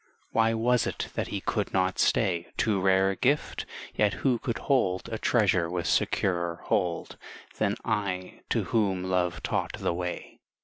Why was it that he could not stay Too rare a gift? Yet who could hold A treasure with securer hold Than I, to whom love taught the way?